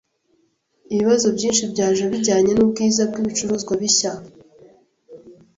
Ibibazo byinshi byaje bijyanye nubwiza bwibicuruzwa bishya.